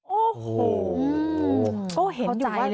โอ๊ยแม่มายังไง